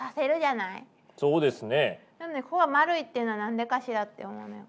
なのにここが丸いっていうのは何でかしらって思うのよ。